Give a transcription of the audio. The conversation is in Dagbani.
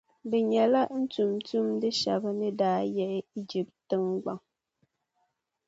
Bɛ nyɛla n tumtumdi’ shɛba n ni daa yihi Ijipti tiŋgbɔŋ.